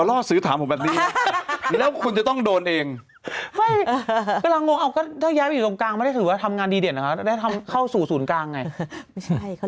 อ้าวอย่าเลื่อนสิเลื่อนไหนอ้าวไปทำงานตรงส่วนหน้า